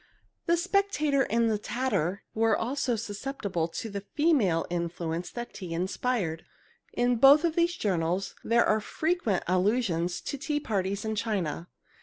The Spectator and the Tatter were also susceptible to the female influence that tea inspired. In both of these journals there are frequent allusions to tea parties and china.